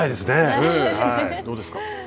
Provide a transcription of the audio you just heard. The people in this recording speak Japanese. どうですか。